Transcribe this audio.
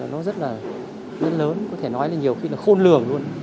nó rất là rất lớn có thể nói là nhiều khi nó khôn lường luôn